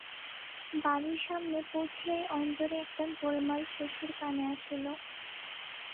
বাড়ির সামনে পৌছিয়াই অন্দরে একটা গোলমাল শশীর কানে আসিল।